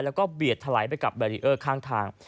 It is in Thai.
แล้วก็เบียดถลายไปกับแบรีเออร์ข้างทาง